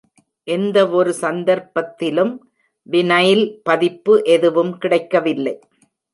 எந்தவொரு சந்தர்ப்பத்திலும் வினைல் பதிப்பு எதுவும் கிடைக்கவில்லை.